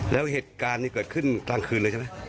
แล้วเหตุการณ์นี้เกิดขึ้นกลางคืนเลยใช่ไหม